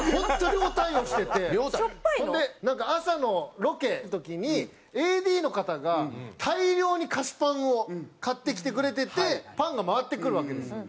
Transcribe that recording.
ほんでなんか朝のロケの時にＡＤの方が大量に菓子パンを買ってきてくれててパンが回ってくるわけですよ。